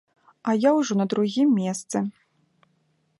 А я ўжо на другім месцы.